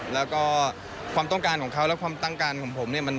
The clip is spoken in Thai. แล้วก็ความต้องการของเขาและความต้องการของผมเนี่ย